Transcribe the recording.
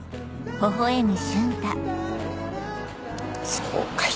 そうかい。